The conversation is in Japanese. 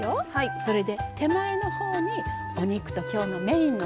それで手前の方にお肉と今日のメインのものを。